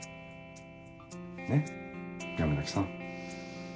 ねっ山崎さん。